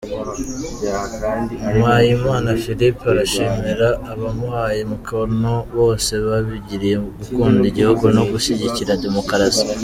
Mpayimana Philippe arashimira abamuhaye umukono bose, babigiriye gukunda igihugu no gushyigikira demokarasi.